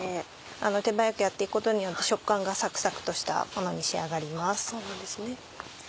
手早くやって行くことによって食感がサクサクとしたものに仕上がります。